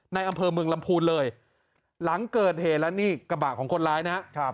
ในอำเภอเมืองลำพูนเลยหลังเกิดเหตุแล้วนี่กระบะของคนร้ายนะครับ